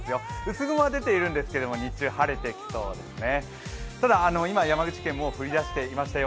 薄雲は出ているんですけど日中は晴れてきそうですね。